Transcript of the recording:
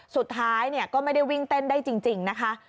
สุดท้ายก็ไม่ได้วิ่งเต้นได้จริงนะคะ